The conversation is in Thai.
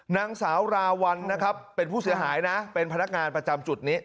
นางสาวราวัลนะครับเป็นผู้เสียหายนะเป็นพนักงานประจำจุดนี้